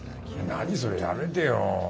何それやめてよ。